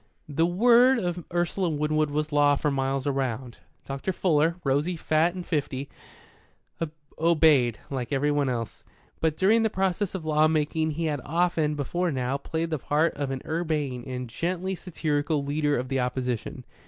The word of Ursula Winwood was law for miles around. Dr. Fuller, rosy, fat and fifty, obeyed, like everyone else; but during the process of law making he had often, before now, played the part of an urbane and gently satirical leader of the opposition.